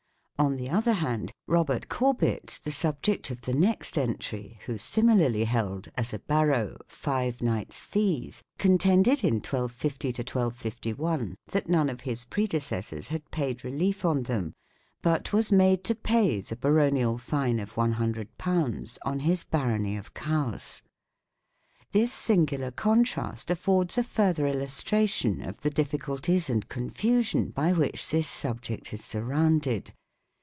On the other hand, Robert Corbet, the subject of the next entry, 3 who similarly held, as a "baro," five knight's fees, contended, in 1250 1251, that none of his prede cessors had paid relief on them, but was made to pay "the baronial" fine of 100 4 on his barony of Caus. This singular contrast affords a further illustration of the difficulties and confusion by which this subject is surrounded.